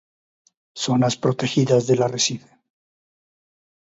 Zonas protegidas del arrecife.